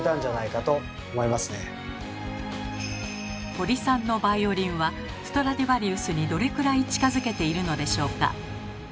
堀さんのバイオリンはストラディヴァリウスにどれくらい近づけているのでしょうか。